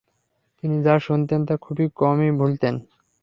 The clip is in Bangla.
তিনি যা শুনতেন তা খুব কমই ভুলতেন।